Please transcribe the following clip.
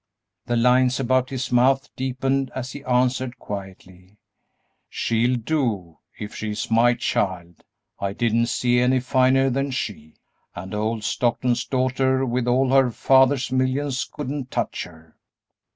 The lines about his mouth deepened as he answered, quietly, "She'll do, if she is my child. I didn't see any finer than she; and old Stockton's daughter, with all her father's millions, couldn't touch her!"